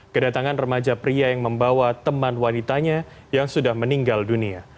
kedatangan remaja pria yang membawa teman wanitanya yang sudah meninggal dunia